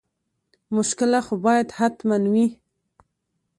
مشکله خو باید حتما وي.